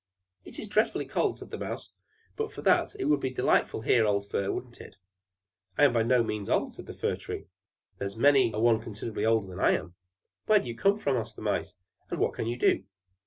"It is dreadfully cold," said the Mouse. "But for that, it would be delightful here, old Fir, wouldn't it?" "I am by no means old," said the Fir Tree. "There's many a one considerably older than I am." "Where do you come from," asked the Mice; "and what can you do?"